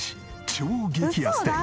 超激安店！